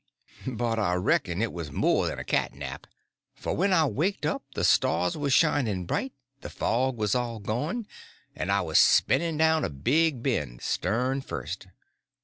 But I reckon it was more than a cat nap, for when I waked up the stars was shining bright, the fog was all gone, and I was spinning down a big bend stern first.